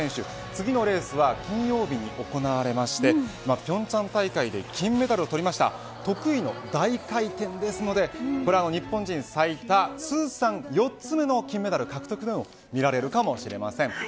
次のレースは金曜日に行われまして平昌大会で金メダルを取りました得意の大回転ですので日本人最多、通算４つ目の金メダル獲得も見られるかもしれません。